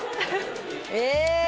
え！